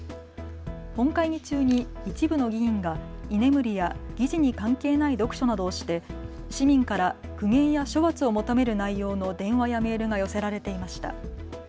本会議中に一部の議員が居眠りや議事に関係ない読書などをして市民から苦言や処罰を求める内容の電話やメールが寄せられていました。